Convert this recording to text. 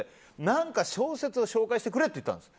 何か小説を紹介してくれと言ったんです。